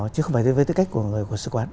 chứ không phải với tư cách của người của sứ quán